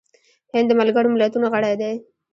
هند د ملګرو ملتونو غړی دی.